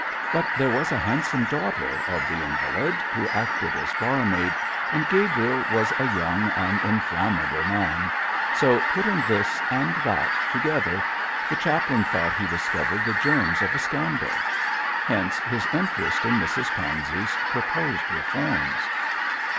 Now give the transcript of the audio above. But there was a handsome daughter of the invalid who acted as barmaid, and Gabriel was a young and inflammable man; so, putting this and that together, the chaplain thought he discovered the germs of a scandal. Hence his interest in Mrs Pansey's proposed reforms.